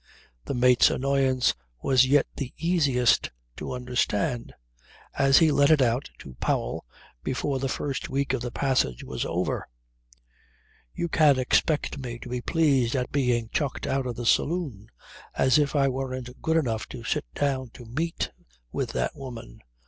The mate's annoyance was yet the easiest to understand. As he let it out to Powell before the first week of the passage was over: 'You can't expect me to be pleased at being chucked out of the saloon as if I weren't good enough to sit down to meat with that woman.'